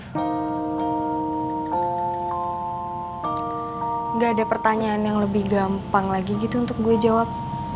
tidak ada pertanyaan yang lebih gampang lagi gitu untuk gue jawab